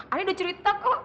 ani udah curi toko